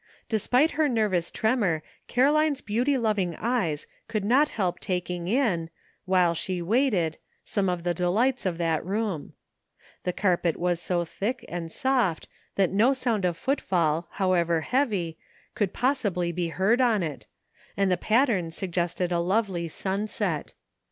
Despite her nervous tremor Caroline's beauty LEARXING. 243 loving eyes could not help taking in, while she waited, some of the delights of that room. The carpet was so thick and soft that no sound of footfall, however heavy, could possibly be heard on it, and the pattern suggested a lovely sunset.